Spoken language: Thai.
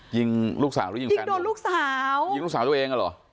ยิงลูกสาวหรือยิงแฟนโดนลูกสาวยิงลูกสาวตัวเองอ่ะเหรอ